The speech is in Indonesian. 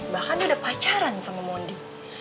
bahkan dia udah pacaran sama mondi